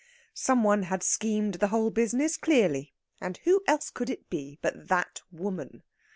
Some one had schemed the whole business, clearly, and who else could it be but that woman?